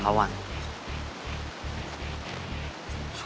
supaya gue rusak